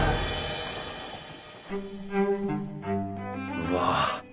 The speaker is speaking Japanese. うわ！